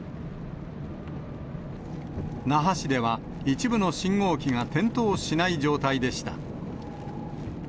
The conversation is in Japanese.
那覇市では、一部の信号機が点灯しない状態でした。